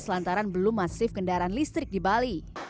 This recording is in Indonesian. selantaran belum masif kendaraan listrik di bali